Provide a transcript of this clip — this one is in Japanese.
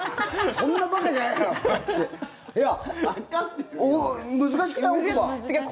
そんな馬鹿じゃないですから。